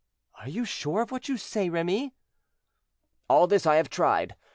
"You are sure of what you say, Remy?" "All this I have tried.